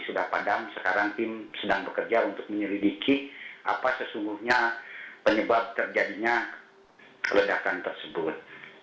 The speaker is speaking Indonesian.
sudah padam sekarang tim sedang bekerja untuk menyelidiki apa sesungguhnya penyebab terjadinya ledakan tersebut